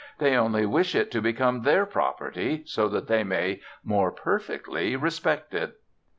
They only wish it to become their property, so that they may more perfectly respect it."